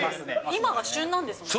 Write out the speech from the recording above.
今が旬なんですよね。